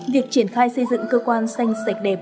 việc triển khai xây dựng cơ quan xanh sạch đẹp